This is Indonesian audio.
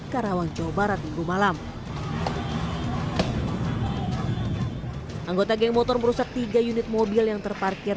karawang jawa barat minggu malam anggota geng motor merusak tiga unit mobil yang terparkir